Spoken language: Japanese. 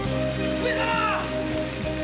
上様